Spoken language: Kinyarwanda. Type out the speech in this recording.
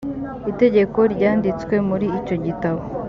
itegeko ryanditswe muri icyo gitabo